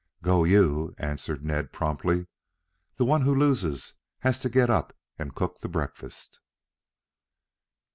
"Go you," answered Ned promptly. "The one who loses has to get up and cook the breakfast."